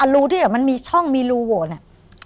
รูที่แบบมันมีช่องมีรูโหวตเนี่ย